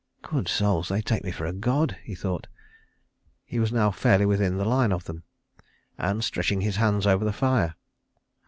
"Good souls, they take me for a God," he thought. He was now fairly within the line of them, and stretching his hands over the fire.